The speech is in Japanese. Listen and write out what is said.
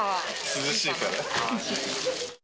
涼しいから。